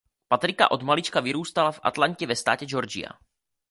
Patrika od malička vyrůstala v Atlantě ve státě Georgia.